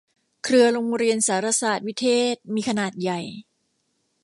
เครือโรงเรียนสารสาสน์วิเทศมีขนาดใหญ่